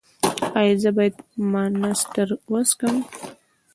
ایا زه باید مانسټر وڅښم؟